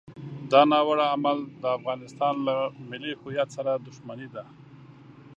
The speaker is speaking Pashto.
دا ناوړه عمل د افغانستان له ملي هویت سره دښمني ده.